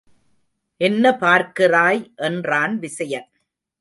என்ன பார்க்கிறாய் என்றான் விசயன்.